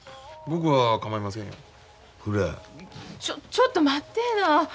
ちょちょっと待ってえな。